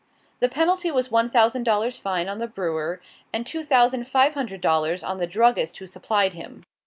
The penalty was one thousand dollars fine on the brewer, and two thousand five hundred dollars on the druggist who supplied him.